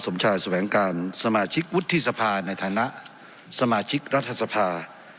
สมชายแสวงการสมาชิกวุฒิสภาในฐานะสมาชิกรัฐสภา